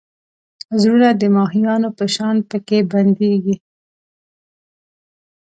زړونه د ماهیانو په شان پکې بندېږي.